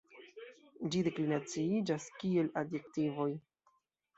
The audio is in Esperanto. Ĝi deklinaciiĝas kiel adjektivoj.